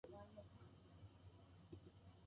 車に乗るよ